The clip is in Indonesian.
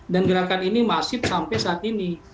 dan gerakan ini masih sampai saat ini